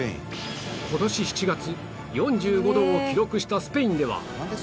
今年７月４５度を記録したスペインでは